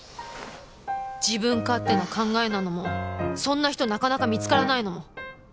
自分勝手な考えなのもそんな人なかなか見つからないのも！